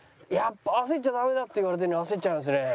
焦っちゃダメだって言われてるのに焦っちゃいますね。